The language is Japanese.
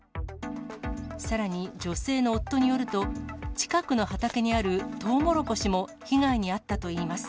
さらに女性の夫によると、近くの畑にあるトウモロコシも被害に遭ったといいます。